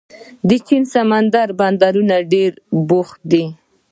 د چین سمندري بندرونه ډېر بوخت دي.